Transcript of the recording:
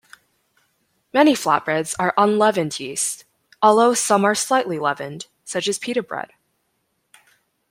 Many flatbreads are unleavened yeast-although some are slightly leavened, such as pita bread.